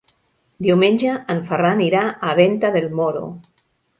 Diumenge en Ferran irà a Venta del Moro.